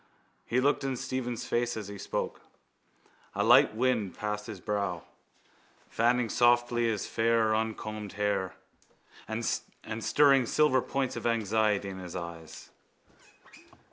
He looked in Stephen's face as he spoke. A light wind passed his brow, fanning softly his fair uncombed hair and stirring silver points of anxiety in his eyes.